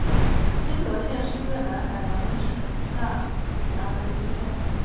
青河县是越南海阳省下辖的一个县。